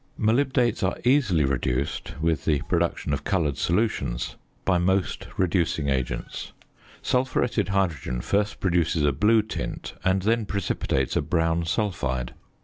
Molybdates are easily reduced, with the production of coloured solutions, by most reducing agents. Sulphuretted hydrogen first produces a blue tint, and then precipitates a brown sulphide.